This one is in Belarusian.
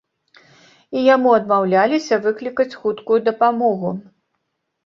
І яму адмаўляліся выклікаць хуткую дапамогу.